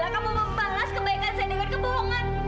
kamu mau balas kebaikan saya dengan kebohongan